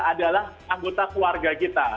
adalah anggota keluarga kita